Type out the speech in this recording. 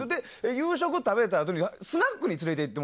夕食を食べたあとにスナックに行った。